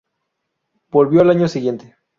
Volvió al año siguiente.